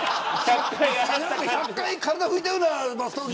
１００回体拭いたようなバスタオル。